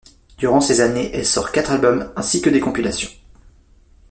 Durant ces années, elle sort quatre albums ainsi que des compilations.